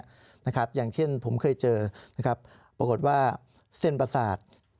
อย่างเช่นผมเคยเจอปรากฏว่าเส้นปศาสตร์